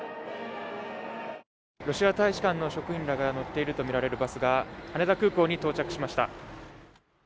ロシア大使館の職員らが乗っているとみられるバスが羽田空港に到着しました。